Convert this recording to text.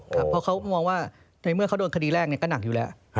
เพราะเขามองว่าในเมื่อเขาโดนคดีแรกก็หนักอยู่แล้ว